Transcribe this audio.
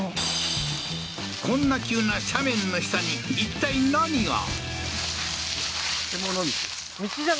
こんな急な斜面の下にいったい何が？